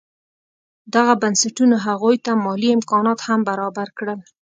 دغو بنسټونو هغوی ته مالي امکانات هم برابر کړل.